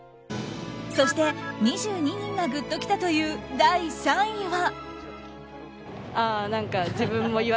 そして２２人がグッときたという第３位は。